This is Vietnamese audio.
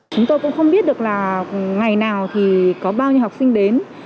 chúng tôi cũng không biết được là ngày nào thì có bao nhiêu học sinh đến